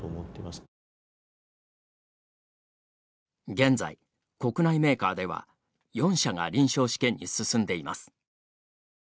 現在、国内メーカーでは４社が臨床試験に進んでいます。